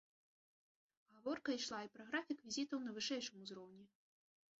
Гаворка ішла і пра графік візітаў на вышэйшым узроўні.